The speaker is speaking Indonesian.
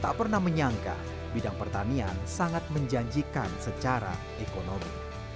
tak pernah menyangka bidang pertanian sangat menjanjikan secara ekonomi